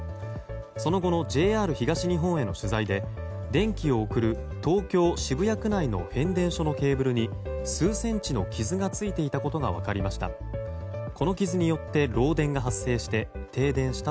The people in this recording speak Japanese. その後のＪＲ東日本への取材で電気を送る東京・渋谷区内の変電所のケーブルに数センチの傷が付いていたことが分かりました。